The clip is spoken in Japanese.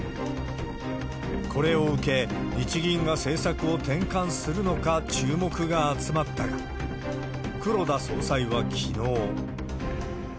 これを受け、日銀が政策を転換するのか注目が集まったが、黒田総裁はきのう。